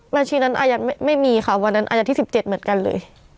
บัญชีนั้นอายัดไม่มีค่ะวันนั้นอายที่๑๗เหมือนกันเลย